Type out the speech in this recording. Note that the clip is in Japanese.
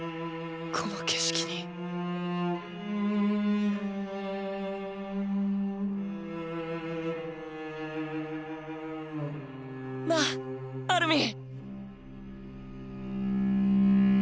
この景色に。なぁアルミン。